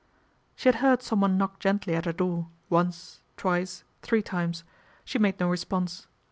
She had heard someone knock gently at her door, once, twice, three times. She made no response.